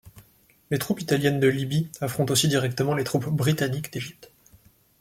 Les troupes italiennes de Libye affronte aussi directement les troupes britanniques d'Égypte.